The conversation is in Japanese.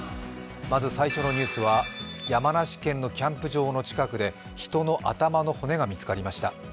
まず最初のニュースは、山梨県のキャンプ場の近くで人の頭の骨が見つかりました。